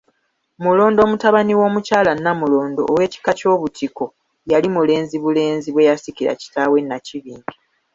MULONDO mutabani w'Omukyala Nnamulondo ow'ekika ky'Obutiko, yali mulenzi bulenzi bwe yasikira kitaawe Nnakibinge.